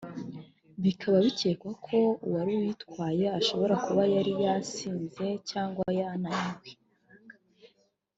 bikaba bikekwa ko uwari uyitwaye ashobora kuba yari yasinze cyangwa yananiwe